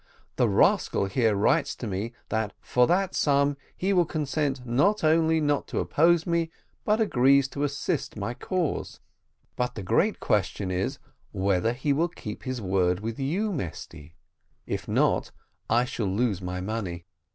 "The rascal here writes to me that for that sum he will consent not only not to oppose me, but agrees to assist my cause; but the great question is, whether he will keep his word with you, Mesty; if not, I shall lose my money.